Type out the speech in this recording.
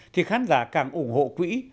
thì khán giả càng ủng hộ quỹ